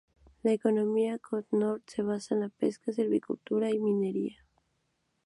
La economía de Côte-Nord se basa en la pesca, la silvicultura y la minería.